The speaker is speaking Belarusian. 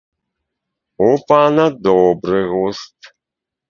У пана добры густ.